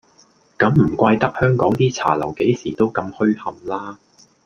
噉唔怪得香港啲茶樓幾時都咁噓冚啦